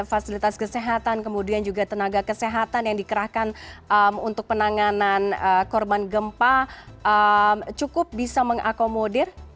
fasilitas kesehatan kemudian juga tenaga kesehatan yang dikerahkan untuk penanganan korban gempa cukup bisa mengakomodir